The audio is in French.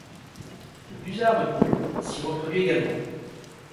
Le Busard de Gould s'y reproduit également.